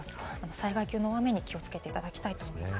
災害急の雨に気をつけていただきたいと思います。